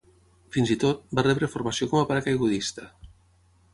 Fins i tot, va rebre formació com a paracaigudista.